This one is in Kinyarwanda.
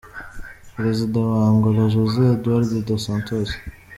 Perezida wa Angola, Jose Eduardo dos Santos